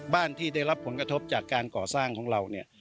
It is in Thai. บ้านที่ได้รับผลกระทบจากการก่อสร้างของเราเนี่ย